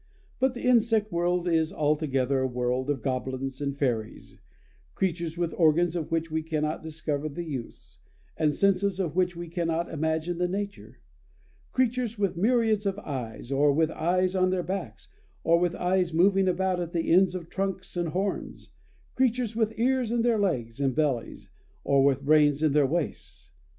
But the insect world is altogether a world of goblins and fairies: creatures with organs of which we cannot discover the use, and senses of which we cannot imagine the nature; creatures with myriads of eyes, or with eyes in their backs, or with eyes moving about at the ends of trunks and horns; creatures with ears in their legs and bellies, or with brains in their waists!